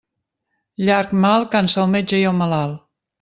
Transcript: Llarg mal cansa el metge i el malalt.